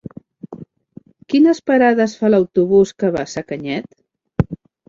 Quines parades fa l'autobús que va a Sacanyet?